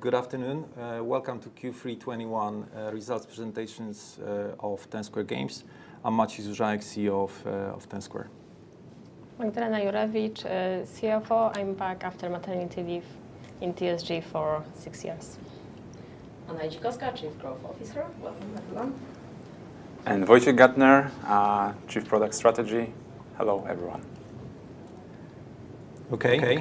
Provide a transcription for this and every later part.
Good afternoon. Welcome to Q3 2021 Results Presentations of Ten Square Games. I'm Maciej Zużałek, CEO of Ten Square. Magdalena Jurewicz, CFO. I'm back after maternity leave in TSG for six years. Anna Idzikowska, Chief Growth Officer. Welcome, everyone. Wojciech Gattner, Chief Product Strategy. Hello, everyone. Okay. Our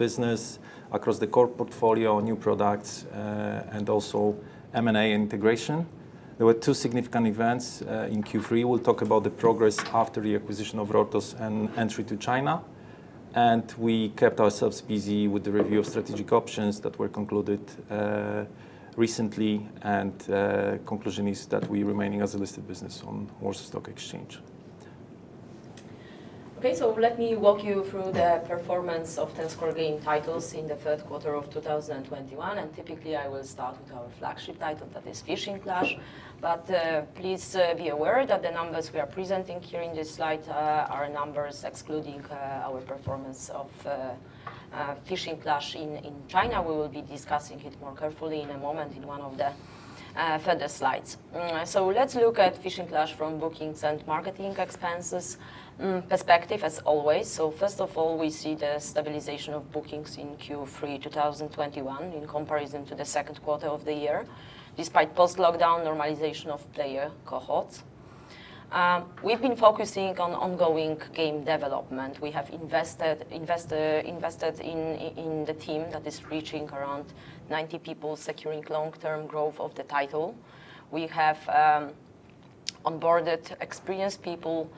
business across the core portfolio, new products, and also M&A integration. There were two significant events in Q3. We'll talk about the progress after the acquisition of Rortos and entry to China. We kept ourselves busy with the review of strategic options that were concluded recently. Conclusion is that we're remaining as a listed business on Warsaw Stock Exchange. Okay. Let me walk you through the performance of Ten Square Games titles in the third quarter of 2021, and typically I will start with our flagship title, that is Fishing Clash. Please be aware that the numbers we are presenting here in this slide are numbers excluding Fishing Clash in China. We will be discussing it more carefully in a moment in one of the further slides. Let's look at Fishing Clash from bookings and marketing expenses perspective as always. First of all, we see the stabilization of bookings in Q3 2021 in comparison to the second quarter of the year, despite post-lockdown normalization of player cohorts. We've been focusing on ongoing game development. We have invested in the team that is reaching around 90 people, securing long-term growth of the title. We have onboarded experienced people,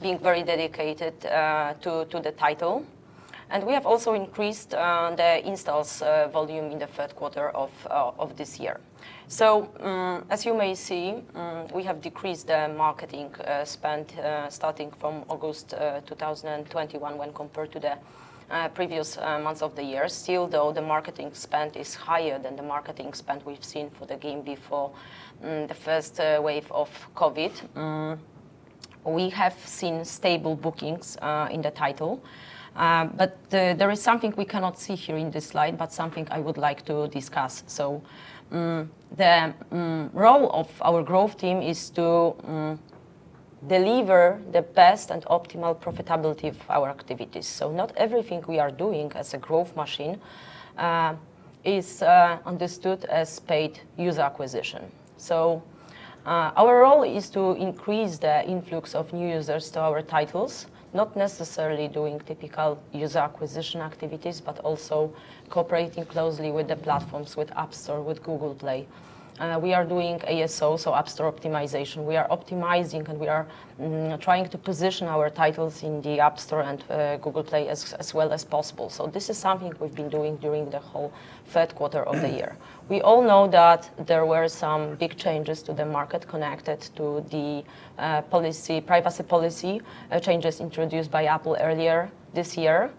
being very dedicated to the title. We have also increased the installs volume in the third quarter of this year. As you may see, we have decreased the marketing spend starting from August 2021 when compared to the previous months of the year. Still, though, the marketing spend is higher than the marketing spend we've seen for the game before the first wave of COVID. We have seen stable bookings in the title. There is something we cannot see here in this slide, but something I would like to discuss. The role of our growth team is to deliver the best and optimal profitability of our activities. Not everything we are doing as a growth machine is understood as paid user acquisition. Our role is to increase the influx of new users to our titles, not necessarily doing typical user acquisition activities, but also cooperating closely with the platforms, with App Store, with Google Play. We are doing ASO, so App Store Optimization. We are optimizing and we are trying to position our titles in the App Store and Google Play as well as possible. This is something we've been doing during the whole third quarter of the year. We all know that there were some big changes to the market connected to the privacy policy changes introduced by Apple earlier this year.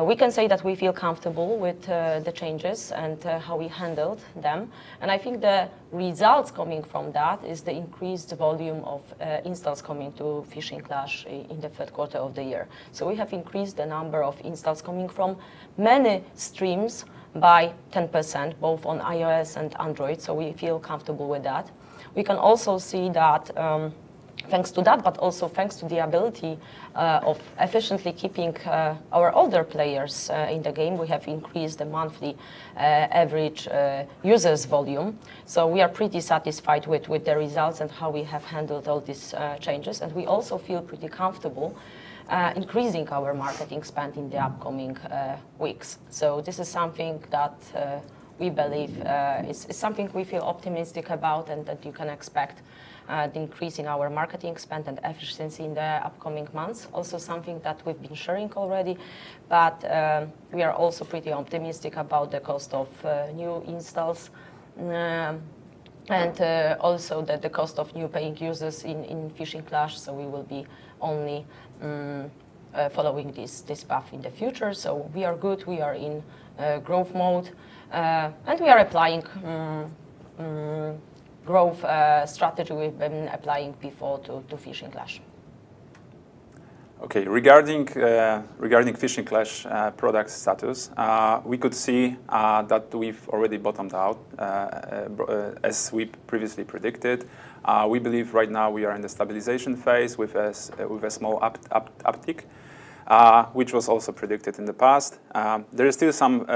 We can say that we feel comfortable with the changes and how we handled them. I think the results coming from that is the increased volume of installs coming to Fishing Clash in the third quarter of the year. We have increased the number of installs coming from many streams by 10%, both on iOS and Android. We feel comfortable with that. We can also see that, thanks to that, but also thanks to the ability of efficiently keeping our older players in the game, we have increased the monthly average users volume. We are pretty satisfied with the results and how we have handled all these changes. We also feel pretty comfortable increasing our marketing spend in the upcoming weeks. This is something that we believe is something we feel optimistic about and that you can expect the increase in our marketing spend and efficiency in the upcoming months. Also something that we've been sharing already, but we are also pretty optimistic about the cost of new installs and also the cost of new paying users in Fishing Clash. We will be only following this path in the future. We are good. We are in growth mode and we are applying growth strategy we've been applying before to Fishing Clash. Okay. Regarding Fishing Clash product status, we could see that we've already bottomed out as we previously predicted. We believe right now we are in the stabilization phase with a small uptick, which was also predicted in the past. There is still some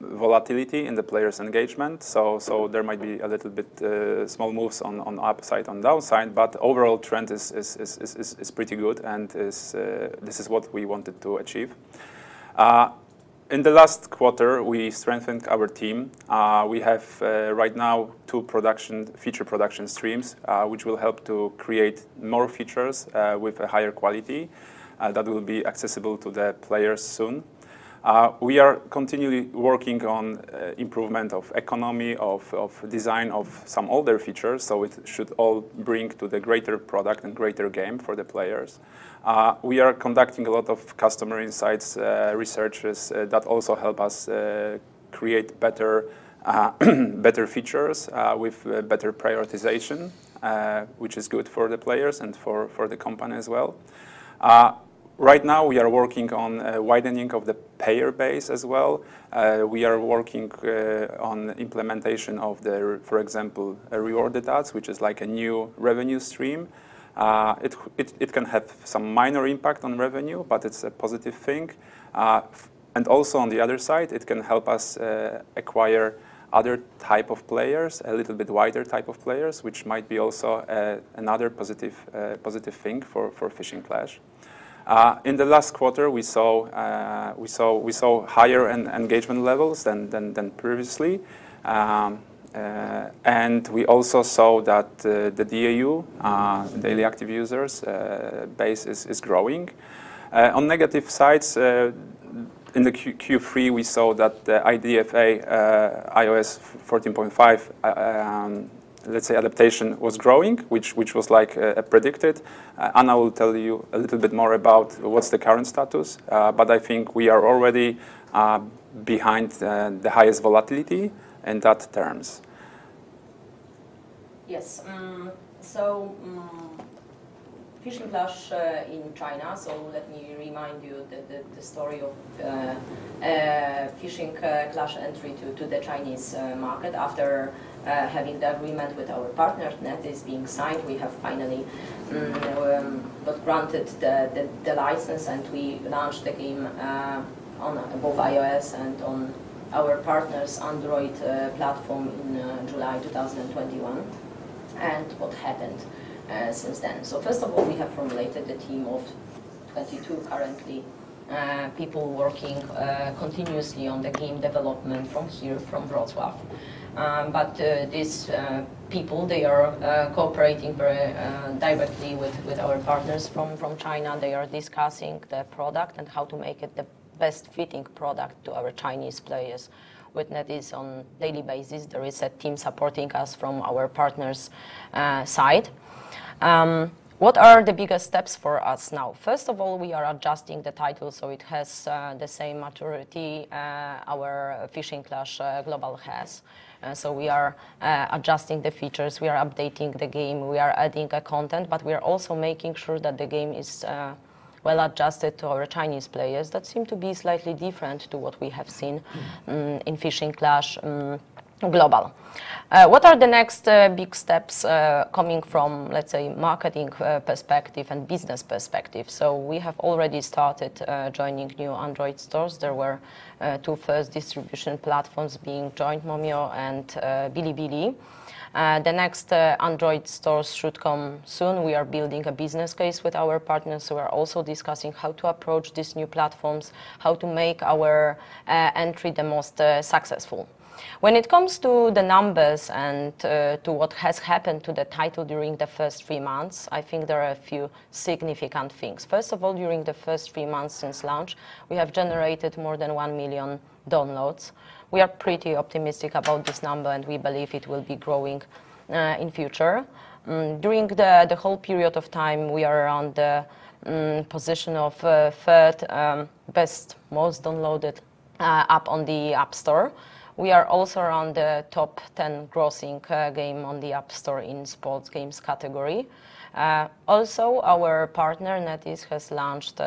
volatility in the players' engagement, so there might be a little bit small moves on the upside and downside, but overall trend is pretty good and this is what we wanted to achieve. In the last quarter, we strengthened our team. We have right now two production feature production streams, which will help to create more features with a higher quality that will be accessible to the players soon. We are continually working on improvement of economy of design of some older features, so it should all bring to the greater product and greater game for the players. We are conducting a lot of customer insights researches that also help us create better features with better prioritization, which is good for the players and for the company as well. Right now we are working on widening of the payer base as well. We are working on implementation of the, for example, a rewarded ads, which is like a new revenue stream. It can have some minor impact on revenue, but it's a positive thing. On the other side, it can help us acquire other type of players, a little bit wider type of players, which might also be another positive thing for Fishing Clash. In the last quarter, we saw higher engagement levels than previously. We also saw that the DAU, daily active users, base is growing. On negative sides, in the Q3, we saw that the IDFA, iOS 14.5, let's say, adoption was growing, which was like predicted. Anna will tell you a little bit more about what's the current status, but I think we are already behind the highest volatility in that terms. Yes. Fishing Clash in China. Let me remind you the story of Fishing Clash entry to the Chinese market. After having the agreement with our partner, NetEase, being signed, we have finally been granted the license, and we launched the game on both iOS and on our partner's Android platform in July 2021. What happened since then? First of all, we have formed a team of 32 people currently working continuously on the game development from here, from Wrocław. These people are cooperating very directly with our partners from China. They are discussing the product and how to make it the best-fitting product to our Chinese players. With NetEase, on a daily basis, there is a team supporting us from our partner's side. What are the biggest steps for us now? First of all, we are adjusting the title, so it has the same maturity our Fishing Clash Global has. We are adjusting the features, we are updating the game, we are adding content, but we are also making sure that the game is well-adjusted to our Chinese players that seem to be slightly different to what we have seen in Fishing Clash Global. What are the next big steps coming from, let's say, marketing perspective and business perspective? We have already started joining new Android stores. There were two first distribution platforms being joined, MoMo and Bilibili. The next Android stores should come soon. We are building a business case with our partners, so we're also discussing how to approach these new platforms, how to make our entry the most successful. When it comes to the numbers and to what has happened to the title during the first three months, I think there are a few significant things. First of all, during the first three months since launch, we have generated more than 1 million downloads. We are pretty optimistic about this number, and we believe it will be growing in future. During the whole period of time, we are around the position of third most downloaded app on the App Store. We are also on the top 10 grossing game on the App Store in Sports Games category. Also our partner, NetEase, has launched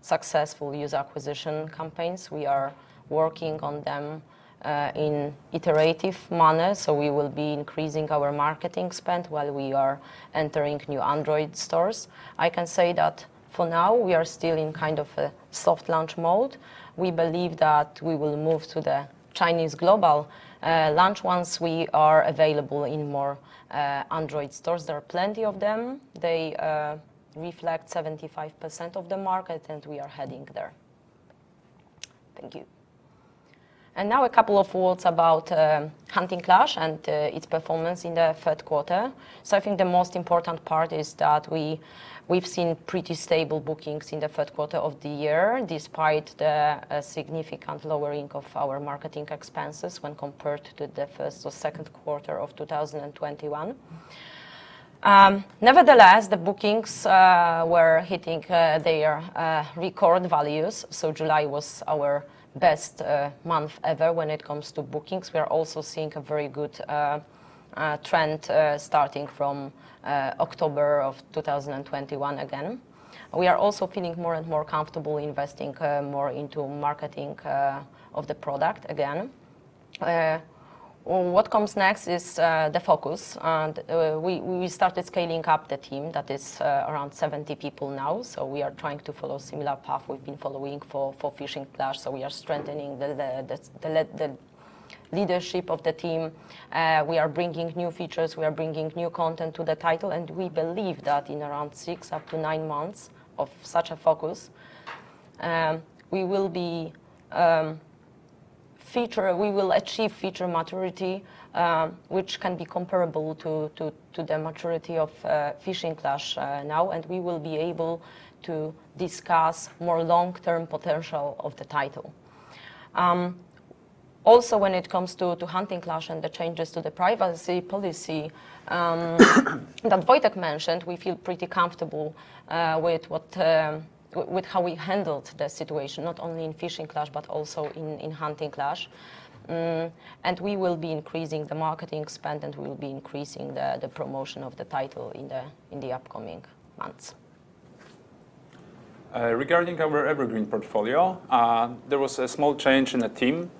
successful user acquisition campaigns. We are working on them in iterative manner, so we will be increasing our marketing spend while we are entering new Android stores. I can say that for now, we are still in kind of a soft launch mode. We believe that we will move to the Chinese global launch once we are available in more Android stores. There are plenty of them. They reflect 75% of the market, and we are heading there. Thank you. Now a couple of words about Hunting Clash and its performance in the third quarter. I think the most important part is that we have seen pretty stable bookings in the third quarter of the year, despite the significant lowering of our marketing expenses when compared to the first or second quarter of 2021. Nevertheless, the bookings were hitting their record values, so July was our best month ever when it comes to bookings. We are also seeing a very good trend starting from October of 2021 again. We are also feeling more and more comfortable investing more into marketing of the product again. What comes next is the focus, and we started scaling up the team that is around 70 people now. So we are trying to follow similar path we've been following for Fishing Clash, so we are strengthening the leadership of the team. We are bringing new features, we are bringing new content to the title, and we believe that in around 6-9 months of such a focus, we will achieve feature maturity, which can be comparable to the maturity of Fishing Clash now, and we will be able to discuss more long-term potential of the title. Also when it comes to Hunting Clash and the changes to the privacy policy that Wojtek mentioned, we feel pretty comfortable with how we handled the situation, not only in Fishing Clash, but also in Hunting Clash. We will be increasing the marketing spend, and we will be increasing the promotion of the title in the upcoming months. Regarding our Evergreen portfolio, there was a small change in the team.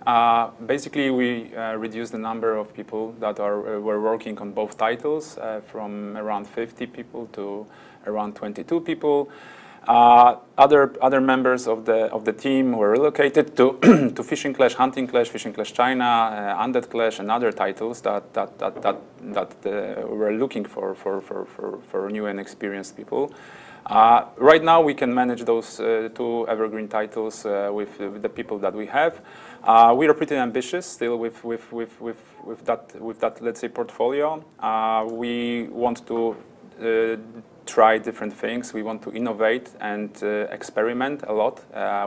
Basically, we reduced the number of people that were working on both titles, from around 50 people to around 22 people. Other members of the team were relocated to Fishing Clash, Hunting Clash, Fishing Clash China, Undead Clash and other titles that were looking for new and experienced people. Right now we can manage those two Evergreen titles, with the people that we have. We are pretty ambitious still with that, let's say, portfolio. We want to try different things. We want to innovate and experiment a lot,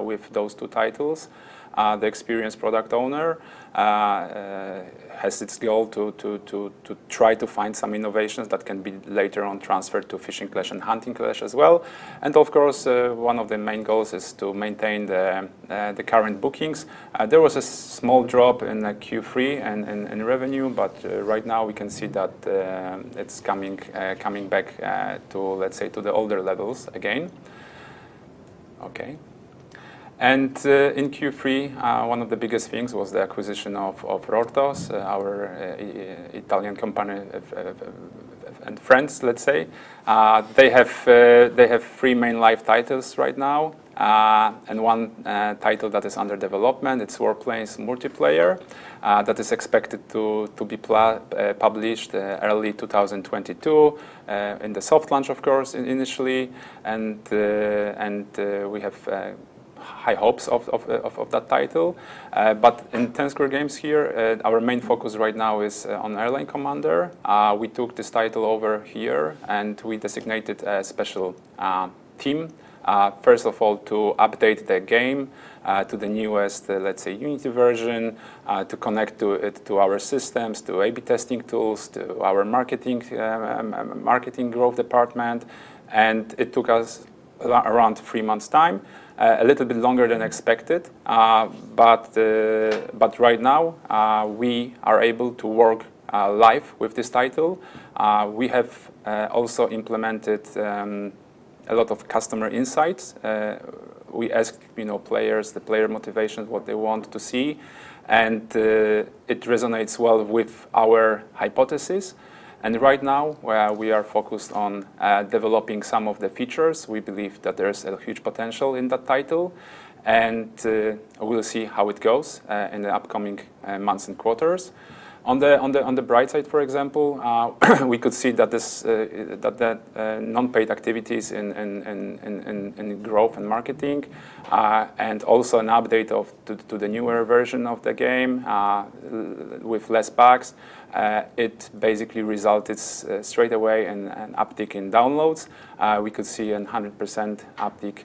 with those two titles. The experienced product owner has its goal to try to find some innovations that can be later on transferred to Fishing Clash and Hunting Clash as well. Of course, one of the main goals is to maintain the current bookings. There was a small drop in Q3 in revenue, but right now we can see that it's coming back to, let's say, the older levels again. In Q3, one of the biggest things was the acquisition of Rortos, our Italian company and friends, let's say. They have three main live titles right now, and one title that is under development. It's Warplanes Multiplayer that is expected to be published early 2022, in the soft launch of course, initially, and we have high hopes of that title. In Ten Square Games here, our main focus right now is on Airline Commander. We took this title over here, and we designated a special team, first of all to update the game to the newest, let's say, Unity version, to connect it to our systems, to A/B testing tools, to our marketing growth department. It took us around three months' time, a little bit longer than expected. Right now, we are able to work live with this title. We have also implemented a lot of customer insights. We ask, you know, players the player motivations, what they want to see, and it resonates well with our hypothesis. Right now we are focused on developing some of the features. We believe that there's a huge potential in that title, and we'll see how it goes in the upcoming months and quarters. On the bright side, for example, we could see that the non-paid activities and growth and marketing, and also an update to the newer version of the game with less bugs, it basically resulted straight away an uptick in downloads. We could see a 100% uptick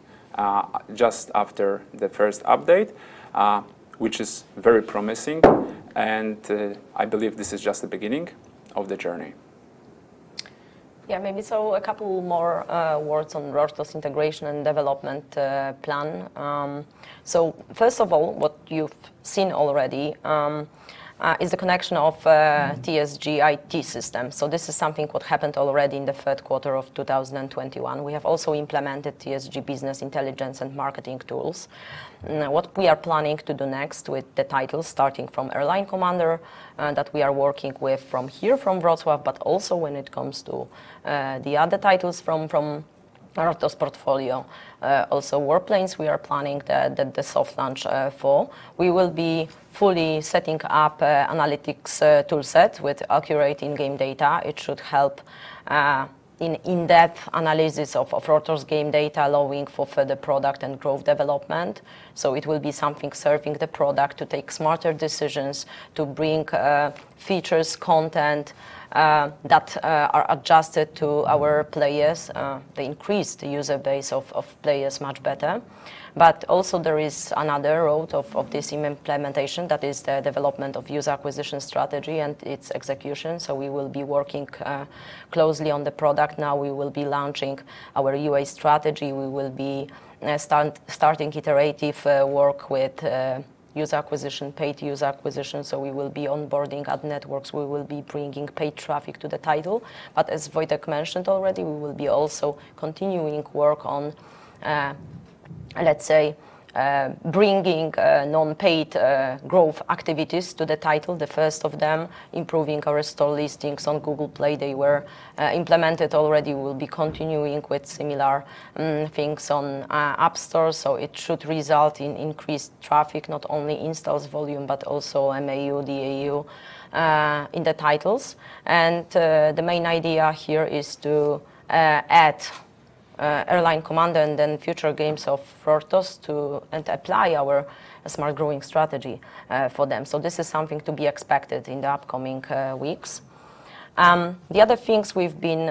just after the first update, which is very promising, and I believe this is just the beginning of the journey. Yeah, maybe a couple more words on Rortos integration and development plan. First of all, what you've seen already is the connection of TSG IT system. This is something what happened already in the third quarter of 2021. We have also implemented TSG business intelligence and marketing tools. Now, what we are planning to do next with the titles, starting from Airline Commander that we are working with from here, from Wrocław, but also when it comes to the other titles from Rortos portfolio, also Warplanes, we are planning the soft launch for. We will be fully setting up an analytics tool set with accurate in-game data. It should help in in-depth analysis of Rortos game data, allowing for further product and growth development. It will be something serving the product to take smarter decisions, to bring features, content, that are adjusted to our players, to increase the user base of players much better. Also there is another route of this implementation, that is the development of user acquisition strategy and its execution. We will be working closely on the product. Now we will be launching our UA strategy. We will be starting iterative work with user acquisition, paid user acquisition. We will be onboarding ad networks. We will be bringing paid traffic to the title. As Wojtek mentioned already, we will be also continuing work on, let's say, bringing non-paid growth activities to the title. The first of them, improving our store listings on Google Play. They were implemented already. We'll be continuing with similar things on App Store. It should result in increased traffic, not only installs volume, but also MAU, DAU in the titles. The main idea here is to add Airline Commander and then future games of Rortos to and apply our smart growing strategy for them. This is something to be expected in the upcoming weeks. The other things we've been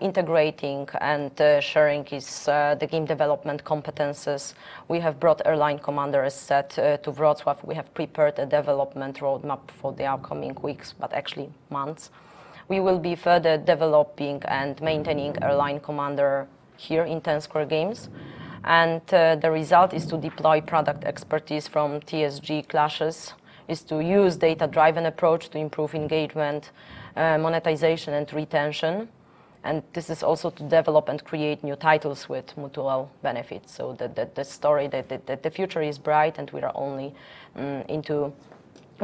integrating and sharing is the game development competences. We have brought Airline Commander as asset to Wrocław. We have prepared a development roadmap for the upcoming weeks, but actually months. We will be further developing and maintaining Airline Commander here in Ten Square Games. The result is to deploy product expertise from TSG Clashes to use data-driven approach to improve engagement, monetization and retention. This is also to develop and create new titles with mutual benefits. The story, the future is bright, and we are only into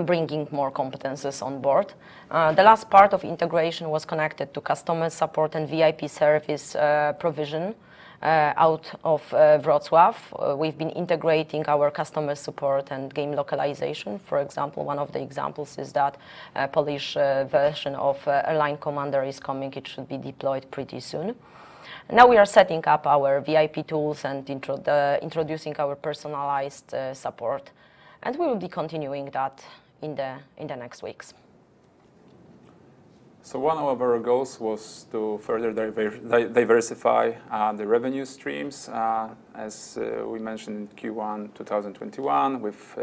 bringing more competencies on board. The last part of integration was connected to customer support and VIP service provision out of Wrocław. We've been integrating our customer support and game localization. For example, one of the examples is that Polish version of Airline Commander is coming. It should be deployed pretty soon. Now we are setting up our VIP tools and introducing our personalized support, and we will be continuing that in the next weeks. One of our goals was to further diversify the revenue streams. As we mentioned in Q1 2021, with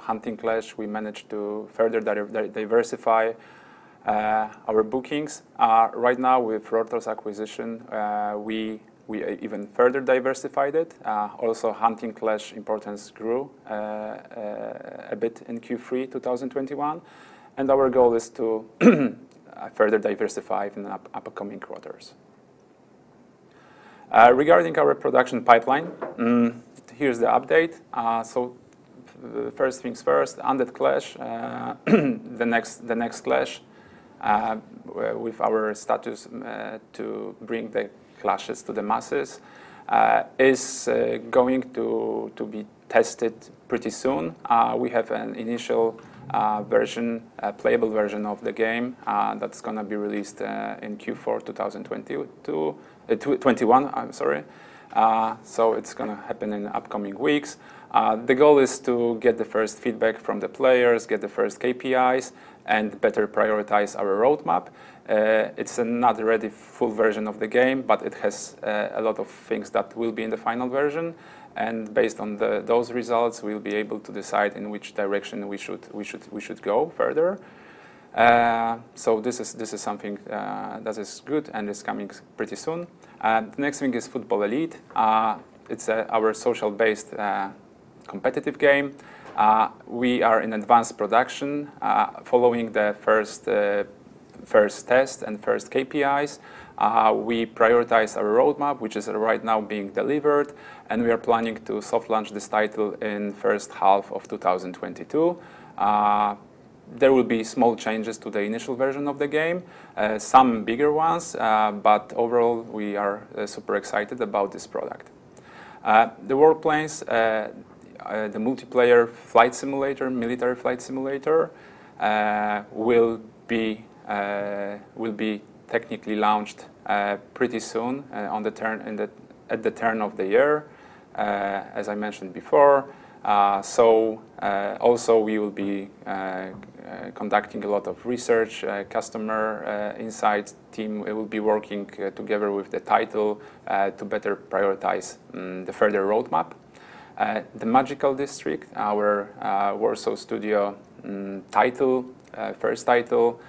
Hunting Clash, we managed to further diversify our bookings. Right now with Rortos's acquisition, we even further diversified it. Also Hunting Clash importance grew a bit in Q3 2021. Our goal is to further diversify in upcoming quarters. Regarding our production pipeline, here's the update. First things first, Undead Clash, the next clash with our studios to bring the clashes to the masses is going to be tested pretty soon. We have an initial version, a playable version of the game that's gonna be released in Q4 2021, I'm sorry. It's gonna happen in the upcoming weeks. The goal is to get the first feedback from the players, get the first KPIs, and better prioritize our roadmap. It's not a ready, full version of the game, but it has a lot of things that will be in the final version. Based on those results, we'll be able to decide in which direction we should go further. This is something that is good and is coming pretty soon. The next thing is Football Elite. It's our social-based competitive game. We are in advanced production following the first test and first KPIs. We prioritize our roadmap, which is right now being delivered, and we are planning to soft launch this title in first half of 2022. There will be small changes to the initial version of the game, some bigger ones. Overall, we are super excited about this product. Warplanes, the multiplayer flight simulator, military flight simulator, will be technically launched pretty soon, at the turn of the year, as I mentioned before. Also we will be conducting a lot of research. Customer insight team will be working together with the title to better prioritize the further roadmap. The Magical District, our Warsaw Studio title, first title,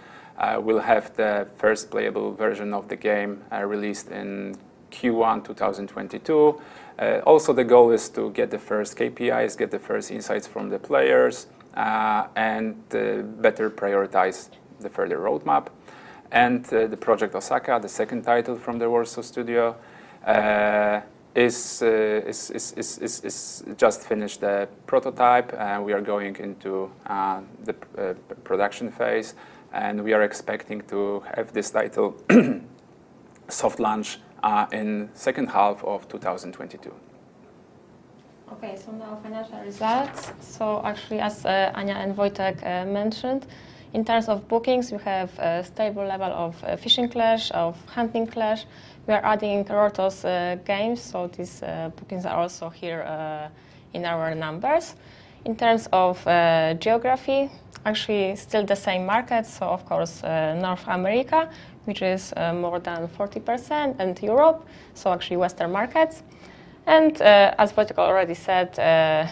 will have the first playable version of the game released in Q1 2022. Also the goal is to get the first KPIs, get the first insights from the players, and better prioritize the further roadmap. The Project Osaka, the second title from the Warsaw Studio, is just finished the prototype. We are going into the production phase, and we are expecting to have this title soft launch in second half of 2022. Okay, now financial results. Actually, as Ania and Wojtek mentioned, in terms of bookings, we have a stable level of Fishing Clash, of Hunting Clash. We are adding Rortos games, so these bookings are also here in our numbers. In terms of geography, actually still the same market. Of course, North America, which is more than 40%, and Europe, so actually Western markets. As Wojtek already said,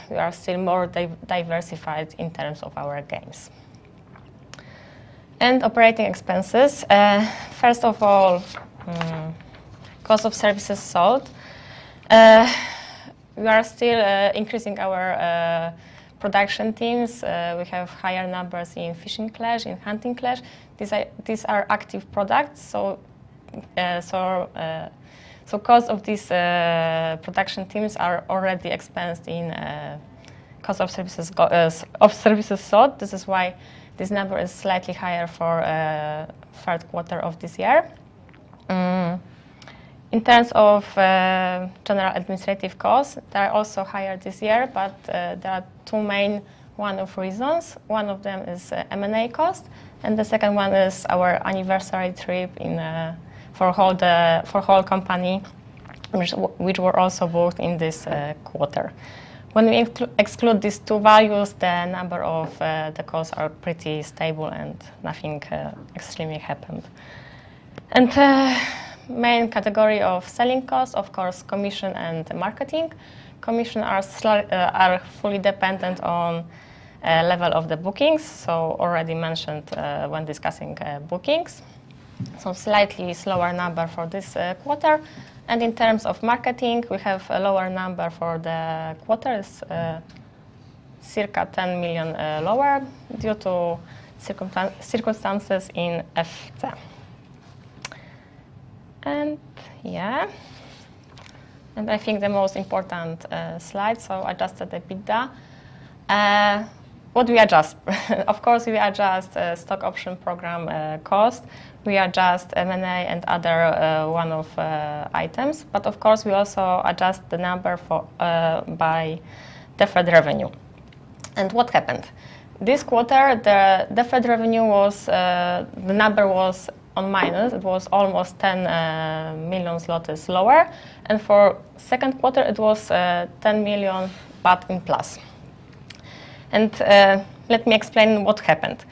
we are still more diversified in terms of our games. Operating expenses. First of all, cost of services sold. We are still increasing our production teams. We have higher numbers in Fishing Clash, in Hunting Clash. These are active products, cost of these production teams are already expensed in cost of services sold. This is why this number is slightly higher for third quarter of this year. In terms of general administrative costs, they are also higher this year, but there are two main reasons. One of them is M&A cost, and the second one is our anniversary trip in for the whole company. Which were also bought in this quarter. When we exclude these two values, the number of the costs are pretty stable and nothing extremely happened. The main category of selling costs, of course, commission and marketing. Commission are fully dependent on level of the bookings, so already mentioned when discussing bookings. Slightly slower number for this quarter. In terms of marketing, we have a lower number for the quarter, circa 10 million lower due to circumstances in FC. Yeah. I think the most important slide, so adjusted EBITDA. What we adjust? Of course, we adjust stock option program cost. We adjust M&A and other one-off items. But of course, we also adjust the number for the deferred revenue. What happened? This quarter, the deferred revenue was the number was on minus. It was almost 10 million zlotys lower. For second quarter, it was 10 million but in plus. Let me explain what happened.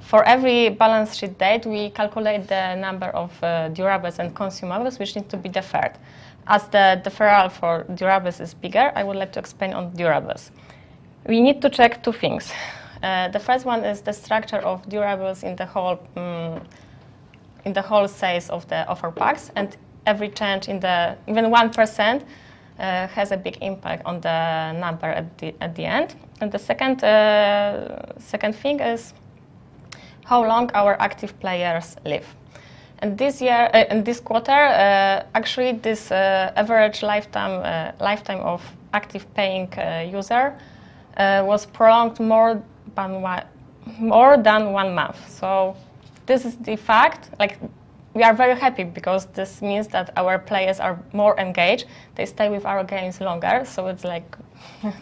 For every balance sheet date, we calculate the number of durables and consumables which need to be deferred. As the deferral for durables is bigger, I would like to explain on durables. We need to check two things. The first one is the structure of durables in the whole sales of our products, and every change in the even 1% has a big impact on the number at the end. The second thing is how long our active players live. This year and this quarter, actually this average lifetime of active paying user was prolonged more than one month. This is the fact. Like, we are very happy because this means that our players are more engaged. They stay with our games longer, so it's like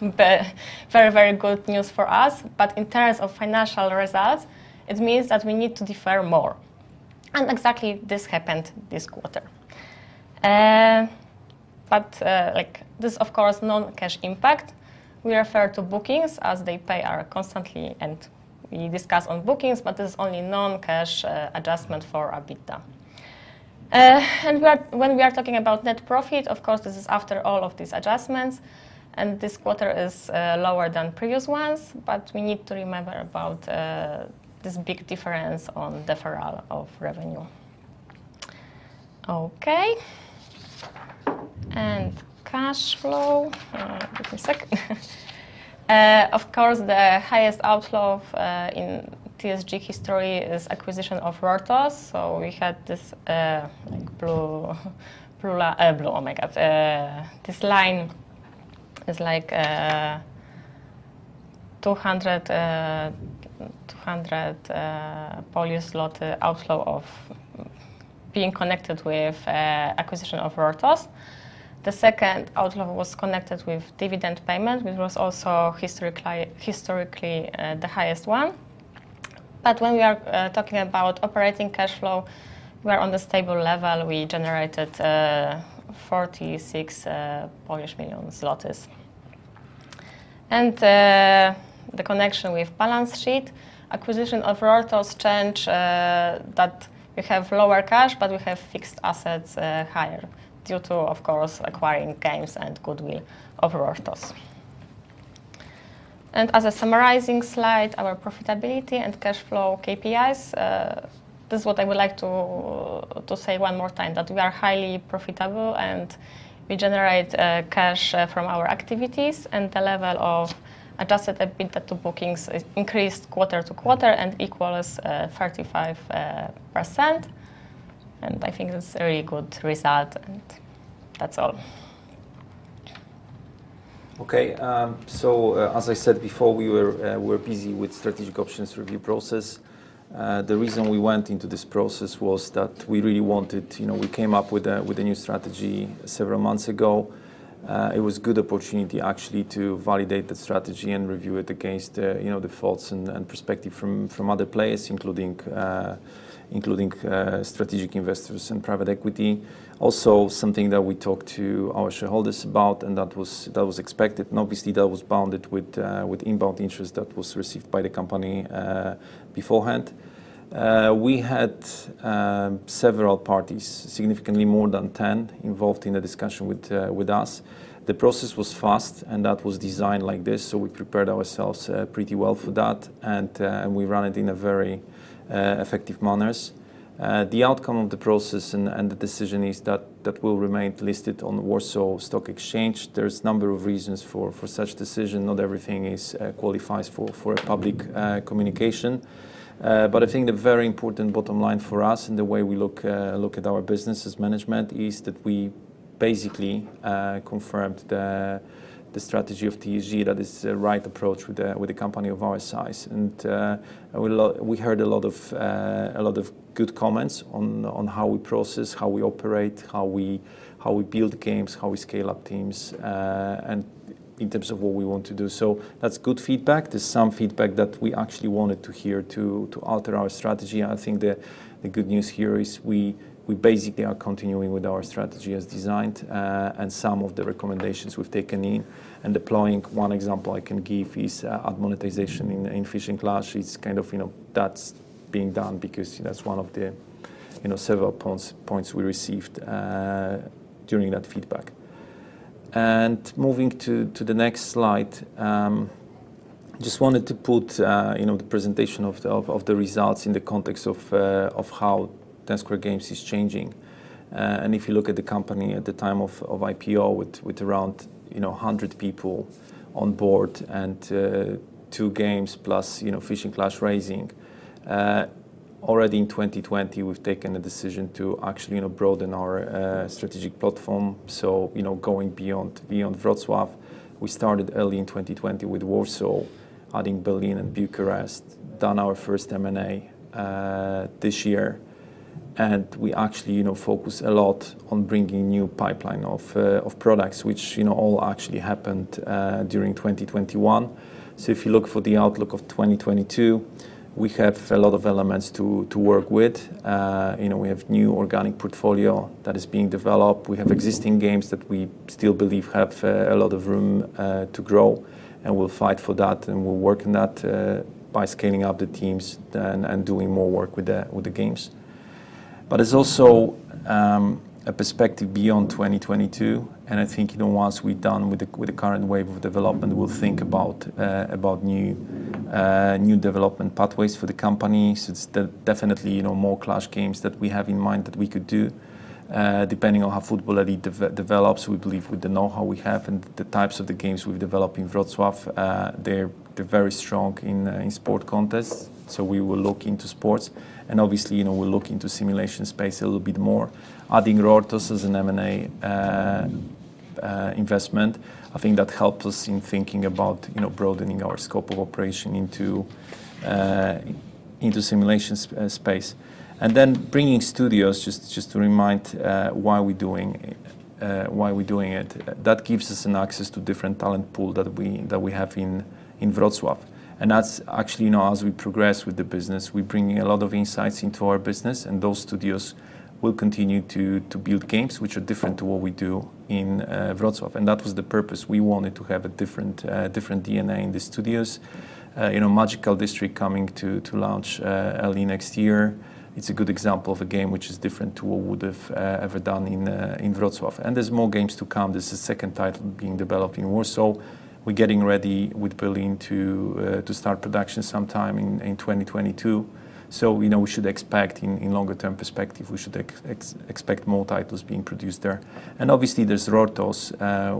the very, very good news for us. In terms of financial results, it means that we need to defer more. Exactly this happened this quarter. Like, this of course non-cash impact, we refer to bookings as they pay us constantly and we discuss on bookings, but this is only non-cash adjustment for EBITDA. When we are talking about net profit, of course this is after all of these adjustments, and this quarter is lower than previous ones. We need to remember about this big difference on deferred revenue and cash flow. Of course, the highest outflow in TSG history is acquisition of Rortos. We had this blue line. This line is like 200 outflow being connected with acquisition of Rortos. The second outflow was connected with dividend payment, which was also historically the highest one. When we are talking about operating cash flow, we are on the stable level. We generated 46 million zlotys. In connection with balance sheet, acquisition of Rortos change that we have lower cash, but we have fixed assets higher due to, of course, acquiring games and goodwill of Rortos. As a summarizing slide, our profitability and cash flow KPIs. This is what I would like to say one more time, that we are highly profitable and we generate cash from our activities. The level of adjusted EBITDA to bookings is increased quarter to quarter and equals 35%. I think that's a really good result and that's all. Okay. As I said before, we're busy with strategic options review process. The reason we went into this process was that we really wanted, you know. We came up with a new strategy several months ago. It was good opportunity actually to validate the strategy and review it against, you know, the folks and perspective from other players, including strategic investors and private equity. Also, something that we talked to our shareholders about, and that was expected and obviously that was bound with inbound interest that was received by the company beforehand. We had several parties, significantly more than 10, involved in a discussion with us. The process was fast, and that was designed like this, so we prepared ourselves pretty well for that and we ran it in a very effective manner. The outcome of the process and the decision is that we'll remain listed on the Warsaw Stock Exchange. There's a number of reasons for such decision. Not everything qualifies for a public communication. I think the very important bottom line for us in the way we look at our business as management is that we basically confirmed the strategy of TSG that is the right approach with a company of our size. We heard a lot of good comments on how we process, how we operate, how we build games, how we scale up teams. In terms of what we want to do. That's good feedback. There's some feedback that we actually wanted to hear to alter our strategy. I think the good news here is we basically are continuing with our strategy as designed, and some of the recommendations we've taken in and deploying. One example I can give is ad monetization in Fishing Clash. It's kind of, you know, that's being done because that's one of the, you know, several points we received during that feedback. Moving to the next slide, just wanted to put you know the presentation of the results in the context of how Ten Square Games is changing. If you look at the company at the time of IPO with around 100 people on board and two games plus you know Fishing Clash racing, already in 2020 we've taken the decision to actually you know broaden our strategic platform. Going beyond Wrocław, we started early in 2020 with Warsaw, adding Berlin and Bucharest, done our first M&A this year. We actually you know focus a lot on bringing new pipeline of products which you know all actually happened during 2021. If you look for the outlook of 2022, we have a lot of elements to work with. You know, we have new organic portfolio that is being developed. We have existing games that we still believe have a lot of room to grow, and we'll fight for that, and we'll work on that by scaling up the teams and doing more work with the games. But it's also a perspective beyond 2022, and I think, you know, once we're done with the current wave of development, we'll think about new development pathways for the company. It's definitely, you know, more Clash games that we have in mind that we could do. Depending on how Football Elite develops, we believe with the know-how we have and the types of the games we've developed in Wrocław, they're very strong in sports contests, so we will look into sports. Obviously, you know, we'll look into simulation space a little bit more. Adding Rortos as an M&A investment, I think that helped us in thinking about, you know, broadening our scope of operation into simulation space. Then bringing studios, just to remind why we're doing it. That gives us an access to different talent pool that we have in Wrocław. That's actually, you know, as we progress with the business, we're bringing a lot of insights into our business, and those studios will continue to build games which are different to what we do in Wrocław. That was the purpose. We wanted to have a different DNA in the studios. You know, Magical District coming to launch early next year. It's a good example of a game which is different to what we would have ever done in Wrocław. There's more games to come. There's a second title being developed in Warsaw. We're getting ready with Berlin to start production sometime in 2022. You know, we should expect in longer term perspective, we should expect more titles being produced there. Obviously, there's Rortos,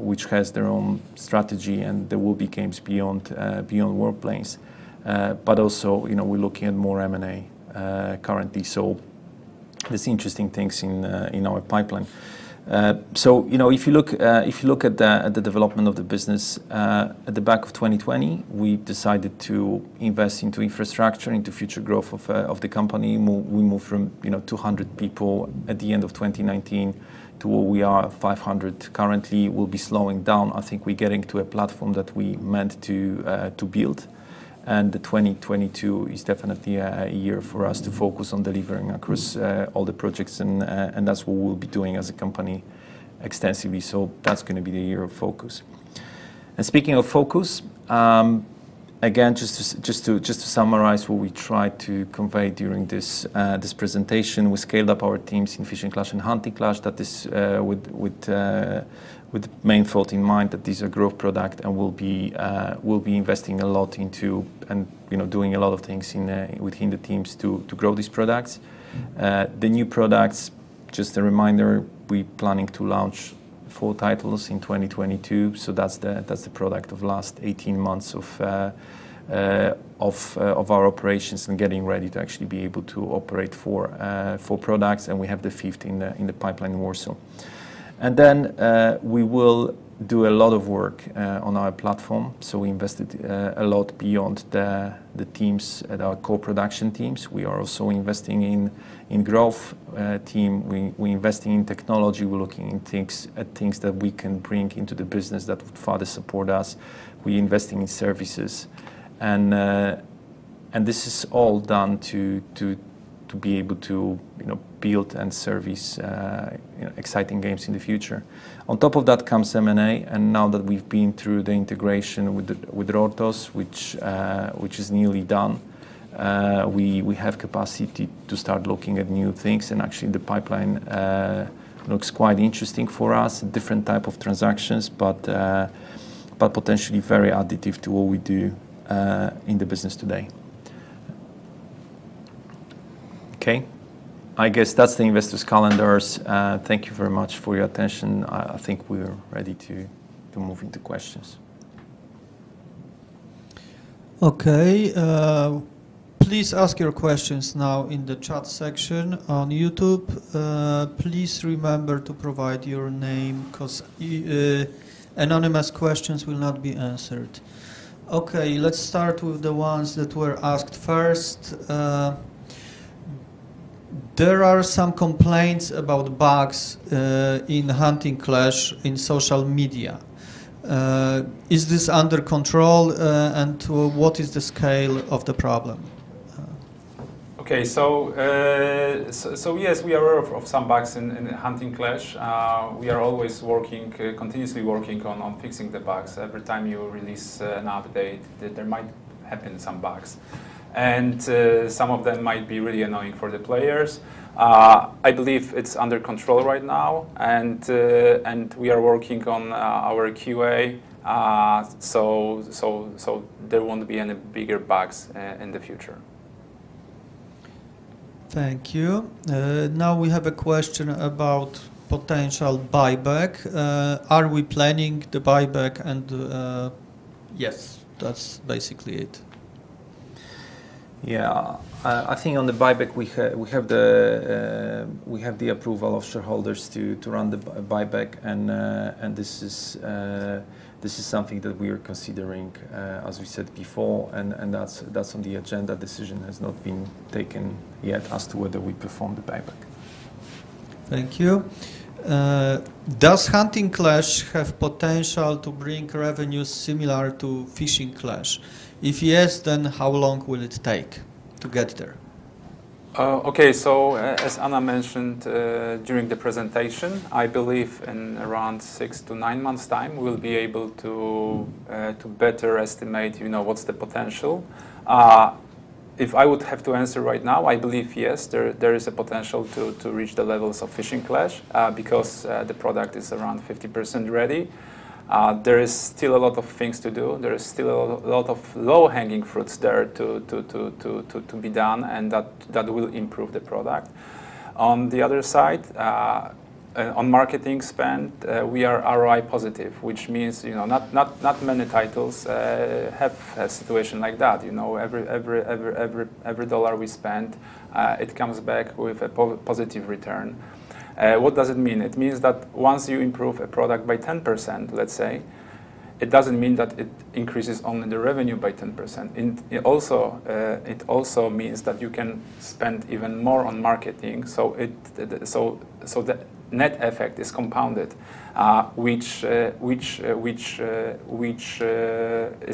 which has their own strategy, and there will be games beyond Warplanes. But also, you know, we're looking at more M&A currently. There's interesting things in our pipeline. You know, if you look at the development of the business, at the back of 2020, we decided to invest into infrastructure, into future growth of the company. We moved from, you know, 200 people at the end of 2019 to where we are, 500 currently. We'll be slowing down. I think we're getting to a platform that we meant to build. The 2022 is definitely a year for us to focus on delivering across all the projects. That's what we'll be doing as a company extensively. That's gonna be the year of focus. Speaking of focus, again, just to summarize what we tried to convey during this presentation, we scaled up our teams in Fishing Clash and Hunting Clash. That is, with the main thought in mind that these are growth product and we'll be investing a lot into and, you know, doing a lot of things within the teams to grow these products. The new products, just a reminder, we're planning to launch four titles in 2022, so that's the product of last 18 months of our operations and getting ready to actually be able to operate four products, and we have the fifth in the pipeline in Warsaw. We will do a lot of work on our platform, so we invested a lot beyond the teams at our core production teams. We are also investing in growth team. We're investing in technology. We're looking at things that we can bring into the business that would further support us. We're investing in services. This is all done to be able to, you know, build and service, you know, exciting games in the future. On top of that comes M&A, and now that we've been through the integration with Rortos, which is nearly done, we have capacity to start looking at new things. Actually, the pipeline looks quite interesting for us, different type of transactions, but potentially very additive to what we do in the business today. Okay. I guess that's the investors' calendars. Thank you very much for your attention. I think we're ready to move into questions. Okay. Please ask your questions now in the chat section on YouTube. Please remember to provide your name 'cause anonymous questions will not be answered. Okay, let's start with the ones that were asked first. There are some complaints about bugs in Hunting Clash in social media. Is this under control, and to what is the scale of the problem? Yes, we are aware of some bugs in Hunting Clash. We are always working, continuously working on fixing the bugs. Every time you release an update, there might have been some bugs, and some of them might be really annoying for the players. I believe it's under control right now, and we are working on our QA, so there won't be any bigger bugs in the future. Thank you. Now we have a question about potential buyback. Are we planning the buyback and, Yes That's basically it. Yeah. I think on the buyback we have the approval of shareholders to run the buyback and this is something that we are considering, as we said before, and that's on the agenda. Decision has not been taken yet as to whether we perform the buyback. Thank you. Does Hunting Clash have potential to bring revenues similar to Fishing Clash? If yes, then how long will it take to get there? As Anna mentioned, during the presentation, I believe in around six-nine months' time we'll be able to better estimate, you know, what's the potential. If I would have to answer right now, I believe yes, there is a potential to reach the levels of Fishing Clash, because the product is around 50% ready. There is still a lot of things to do. There is still a lot of low-hanging fruits there to be done, and that will improve the product. On the other side, on marketing spend, we are ROI positive, which means, you know, not many titles have a situation like that. You know, every dollar we spend, it comes back with a positive return. What does it mean? It means that once you improve a product by 10%, let's say, it doesn't mean that it increases only the revenue by 10%. It also means that you can spend even more on marketing, so the net effect is compounded, which is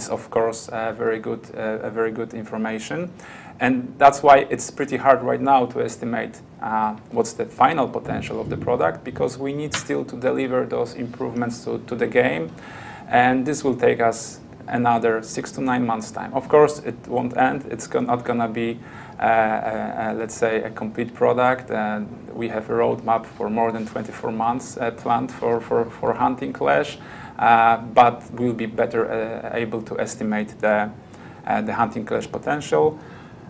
of course very good, a very good information. That's why it's pretty hard right now to estimate what's the final potential of the product, because we need still to deliver those improvements to the game, and this will take us another six-nine months' time. Of course, it won't end. It's not gonna be, let's say, a complete product, and we have a roadmap for more than 24 months planned for Hunting Clash. We'll be better able to estimate the Hunting Clash potential.